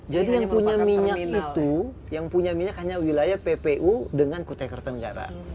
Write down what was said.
jadi yang punya minyak itu hanya wilayah ppu dengan kutekertenggara